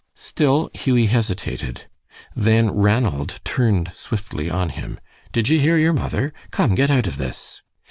Still Hughie hesitated. Then Ranald turned swiftly on him. "Did ye hear your mother? Come, get out of this."